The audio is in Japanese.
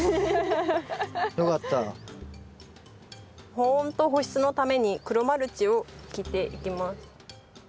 保温と保湿のために黒マルチを敷いていきます。